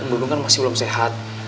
om dudung kan masih belum sehat